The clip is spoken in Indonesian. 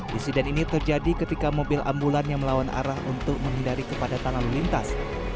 disiden ini terjadi ketika mobil ambulan yang melawan arah untuk menghindari kepada tanah lintas